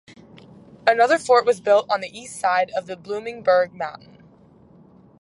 Another fort was built on the east side of the Bloomingburgh Mountain.